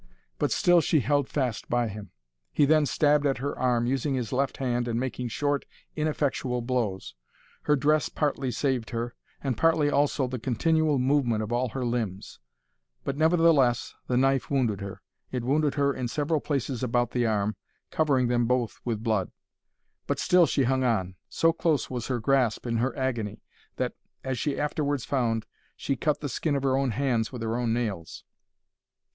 But still she held fast by him. He then stabbed at her arm, using his left hand and making short, ineffectual blows. Her dress partly saved her, and partly also the continual movement of all her limbs; but, nevertheless, the knife wounded her. It wounded her in several places about the arm, covering them both with blood;—but still she hung on. So close was her grasp in her agony, that, as she afterwards found, she cut the skin of her own hands with her own nails.